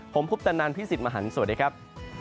ผมพุทธนันทร์พี่สิทธิ์มหันต์สวัสดีครับ